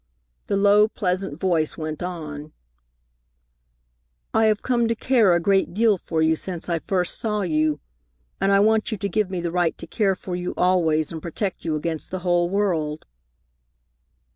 The low, pleasant voice went on: "I have come to care a great deal for you since I first saw you, and I want you to give me the right to care for you always and protect you against the whole world."